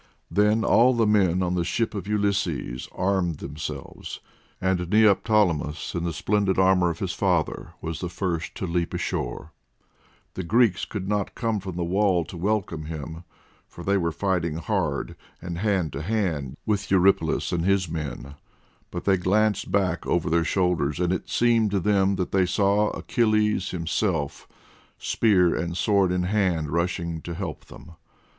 Then all the men on the ship of Ulysses armed themselves, and Neoptolemus, in the splendid armour of his father, was the first to leap ashore. The Greeks could not come from the wall to welcome him, for they were fighting hard and hand to hand with Eurypylus and his men. But they glanced back over their shoulders and it seemed to them that they saw Achilles himself, spear and sword in hand, rushing to help them.